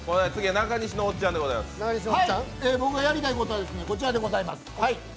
僕がやりたいことはこちらでございます。